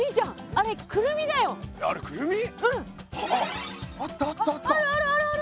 あるあるあるある。